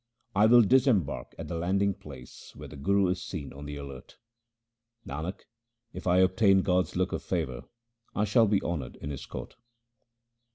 I will disembark at that landing place where the Guru is seen on the alert. Nanak, if I obtain God's look of favour I shall be honoured in His court.